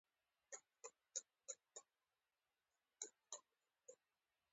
روایت یې موږ تر داود علیه السلام پورې ورسوي.